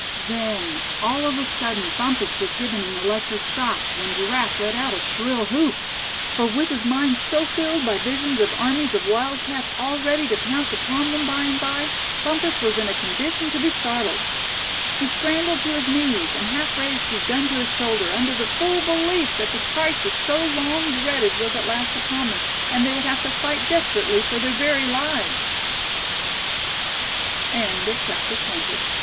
Then, all of a sudden, Bumpus was given an electric shock, when Giraffe let out a shrill whoop; for with his mind so filled by visions of armies of wildcats all ready to pounce upon them by and by, Bumpus was in a condition to be startled. He scrambled to his knees, and half raised his gun to his shoulder, under the full belief that the crisis so long dreaded was at last upon them, and they would have to fight desperately for their very lives. CHAPTER XXI. THE LITTL